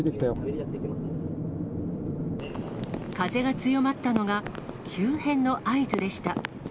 風が強まったのが急変の合図でした。